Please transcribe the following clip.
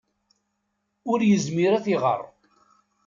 Ur yezmir ad t-iɣer.